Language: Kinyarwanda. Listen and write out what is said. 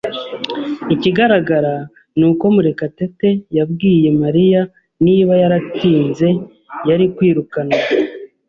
Ikigaragara ni uko Murekatete yabwiye Mariya niba yaratinze, yari kwirukanwa.